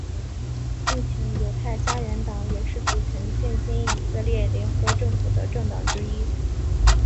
目前犹太家园党也是组成现今以色列联合政府的政党之一。